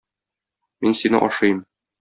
Мин сине ашыйм.